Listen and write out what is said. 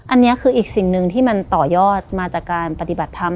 อันนี้คืออีกสิ่งหนึ่งที่มันต่อยอดมาจากการปฏิบัติธรรม